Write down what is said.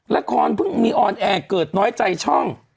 ละครเพิ่งมีออนแอร์เกิดน้อยใจช่อง